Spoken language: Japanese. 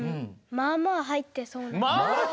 まあまあはいってそう！